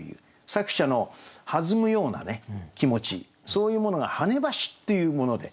作者の弾むような気持ちそういうものが「跳ね橋」っていうもので。